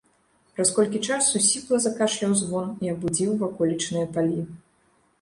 Праз колькі часу сіпла закашляў звон і абудзіў ваколічныя палі.